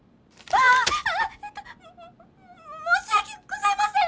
あっえっと申し訳ございません！